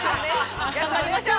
◆頑張りましょう。